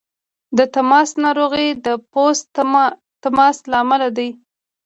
د تماس ناروغۍ د پوست تماس له امله دي.